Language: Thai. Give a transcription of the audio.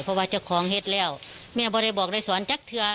เพราะว่าเจ้าของเห็นแล้วแม่ก็เลยบอกเลยสอนจากเธอ